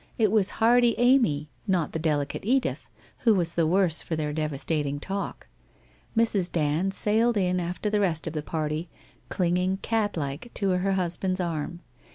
It was tbe hardy Amy, not the delicate Bdith, who was the worse for their devastating talk. Mr . Dand sailed in after the rest of the party, clinging, catlike, to her husband's arm.